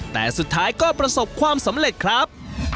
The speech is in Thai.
แต่สุดท้ายก็ประสบความสำเร็จครับ